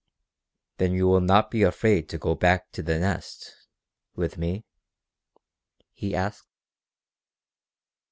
"Then you will not be afraid to go back to the Nest with me?" he asked.